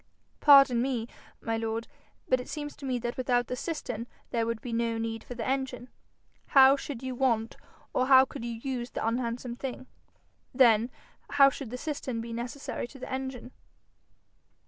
'Pardon me, my lord, but it seems to me that without the cistern there would be no need for the engine. How should you want or how could you use the unhandsome thing? Then how should the cistern be necessary to the engine?'